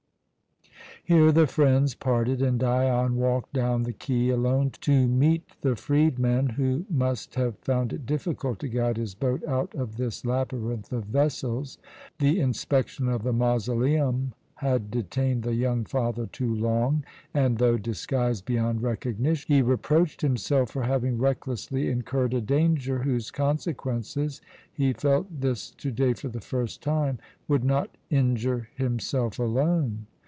Here the friends parted, and Dion walked down the quay alone to meet the freedman, who must have found it difficult to guide his boat out of this labyrinth of vessels. The inspection of the mausoleum had detained the young father too long and, though disguised beyond recognition, he reproached himself for having recklessly incurred a danger whose consequences he felt this to day for the first time would not injure himself alone.